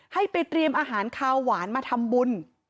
ให้ไปเตรียมอาหารคาวหวานมาทำบุญ